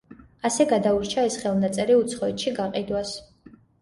ასე გადაურჩა ეს ხელნაწერი უცხოეთში გაყიდვას.